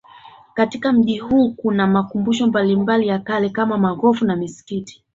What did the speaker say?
Katika mji huu kuna makumbusho mbalimbali ya kale kama maghofu na misikiti